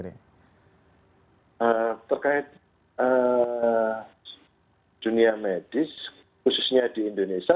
terkait dunia medis khususnya di indonesia